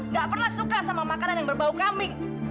nggak pernah suka sama makanan yang berbau kambing